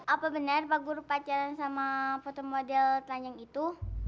apa benar pak guru pacaran sama foto model telanjang itu